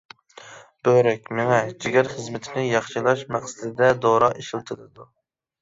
بۆرەك، مېڭە، جىگەر خىزمىتىنى ياخشىلاش مەقسىتىدە دورا ئىشلىتىلىدۇ.